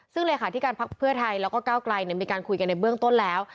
ซึ่งเลขาธิการพักเพื่อไทยแล้วก็ก้าวไกลมีการคุยกันในเบื้องต้นแล้ว